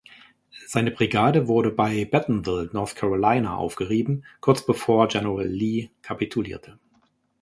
Seine Brigade wurde bei Bentonville, North Carolina aufgerieben, kurz bevor General Lee kapitulierte.